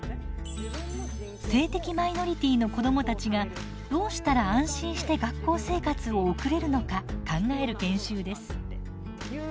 性的マイノリティーの子どもたちがどうしたら安心して学校生活を送れるのか考える研修です。